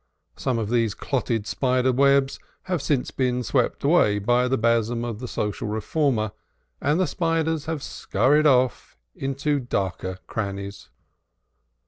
Some of these clotted spiders' webs have since been swept away by the besom of the social reformer, and the spiders have scurried off into darker crannies.